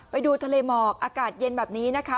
ไปดูทะเลหมอกอากาศเย็นแบบนี้นะคะ